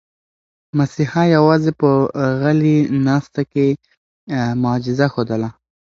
مسیحا یوازې په غلې ناسته کې معجزه ښودله.